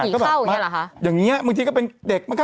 ผีเข้าใช่หรือคะอย่างนี้เมื่อกี้ก็เป็นเด็กมาครับ